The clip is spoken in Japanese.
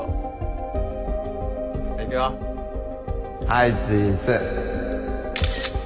はいチーズ。